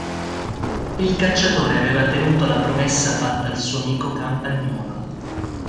Il cacciatore aveva tenuto la promessa fatta al suo amico campagnolo.